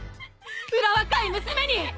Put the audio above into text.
うら若い娘に！